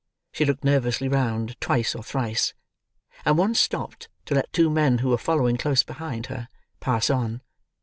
She looked nervously round, twice or thrice, and once stopped to let two men who were following close behind her, pass on.